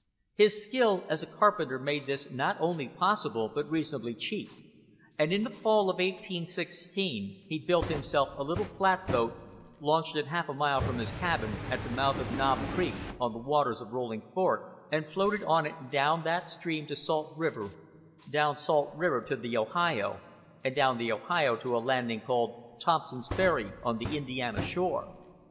His skill as a carpenter made this not only possible but reasonably cheap, and in the fall of 1816 he built himself a little flatboat, launched it half a mile from his cabin, at the mouth of Knob Creek on the waters of the Rolling Fork, and floated on it down that stream to Salt River, down Salt River to the Ohio, and down the Ohio to a landing called Thompson's Ferry on the Indiana shore.